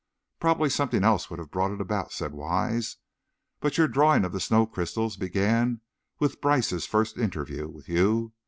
"Probably something else would have brought it about," said Wise, "but your drawing of the snow crystals began with Brice's first interview with you.